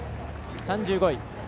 ３５位。